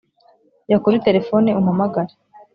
jya kuri terefone umpamagare